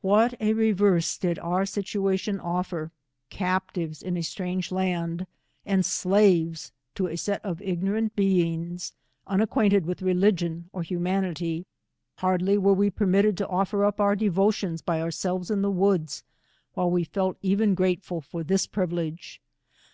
What a reverse did oar situation offer — captives in a savage land, and slaves to a set of ignorant beings, unacquainted with religion or humanity, hardly were we permitted to offer up our devotions by ourselves in the woods, while we felt even grateful for this privilege.